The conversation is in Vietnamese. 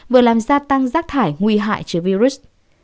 vừa làm gia tăng rác thải nguy hại chứa virus